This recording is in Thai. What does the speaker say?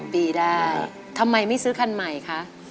ปีได้ทำไมไม่ซื้อคันใหม่คะ